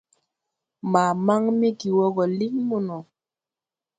Ma maŋ me ge wɔ gɔ liŋ mono.